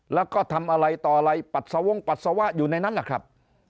แล้วก็ทำอะไรต่ออะไรปัดสวงปัสสาวะอยู่ในนั้นแหละครับ